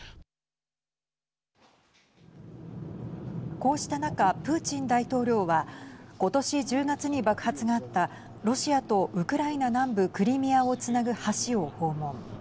こうした中、プーチン大統領は今年１０月に爆発があったロシアとウクライナ南部クリミアをつなぐ橋を訪問。